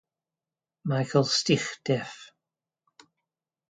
Michael Stich def.